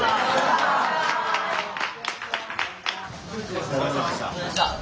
お疲れさまでした。